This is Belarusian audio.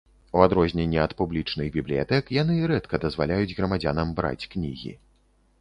У адрозненне ад публічных бібліятэк, яны рэдка дазваляюць грамадзянам браць кнігі.